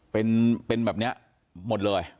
เป็นแบบนี้หมดเลย